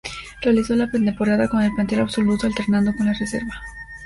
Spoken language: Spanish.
Realizó la pretemporada con el plantel absoluto, alternando con la reserva.